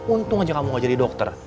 untung aja kamu gak jadi dokter